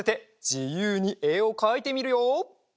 じゆうにえをかいてみるよ！